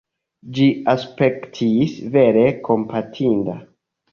Ĝi aspektis vere kompatinda.